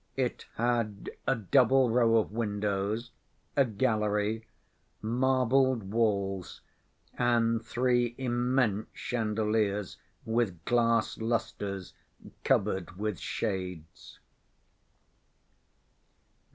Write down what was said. It had a double row of windows, a gallery, marbled walls, and three immense chandeliers with glass lusters covered with shades.